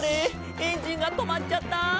エンジンがとまっちゃった！」